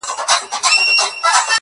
ځكه له يوه جوړه كالو سره راوتـي يــو,